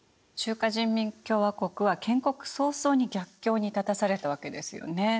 中華人民共和国は建国早々に逆境に立たされたわけですよね。